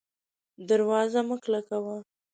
دروازه مه کلکه وه